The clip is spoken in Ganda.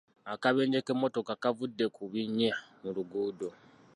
Akabenje k'emmotoka k'avudde ku binnya mu luguudo.